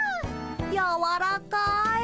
やわらかい。